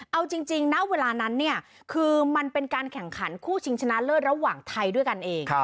เอาจริงนะเวลานั้นเนี่ยคือมันเป็นการแข่งขันคู่ชิงชนะเลิศระหว่างไทยด้วยกันเอง